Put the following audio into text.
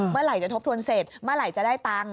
เมื่อไหร่จะทบทวนเสร็จเมื่อไหร่จะได้ตังค์